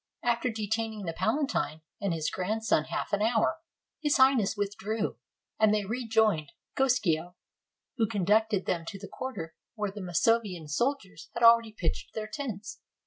After detaining the palatine and his grandson half an hour, His Highness withdrew, and they rejoined Kosciusko, who conducted them to the quarter where the Masovian soldiers had already pitched their tents.